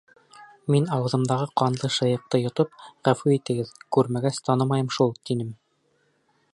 Мин ауыҙымдағы ҡанлы шайыҡты йотоп, ғәфү итегеҙ, күрмәгәс, танымайым шул, тинем.